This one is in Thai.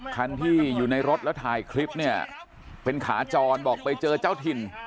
คันที่อยู่ในรถแล้วถ่ายคลิปเนี่ยเป็นขาจรบอกไปเจอเจ้าถิ่น